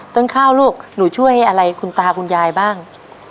ต้นข้าวลูกหนูช่วยอะไรคุณตาคุณยายบ้าง